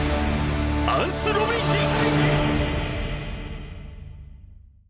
アンスロビンシア！